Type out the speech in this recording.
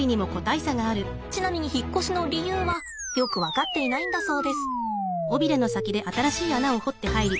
ちなみに引っ越しの理由はよく分かっていないんだそうです。